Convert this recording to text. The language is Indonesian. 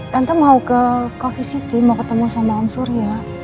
tante mau ke coffee city mau ketemu sama ansur ya